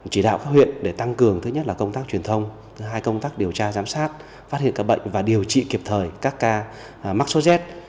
chỉ đạo các huyện để tăng cường thứ nhất là công tác truyền thông thứ hai công tác điều tra giám sát phát hiện ca bệnh và điều trị kịp thời các ca mắc số z